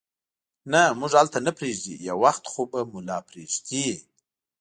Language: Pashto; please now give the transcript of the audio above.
نه، موږ هلته نه پرېږدي، یو وخت خو به مو لا پرېږدي.